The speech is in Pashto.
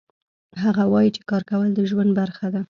هغه وایي چې کار کول د ژوند برخه ده